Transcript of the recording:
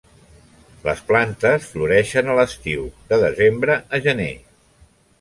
Les plantes floreixen a l'estiu, de desembre a gener.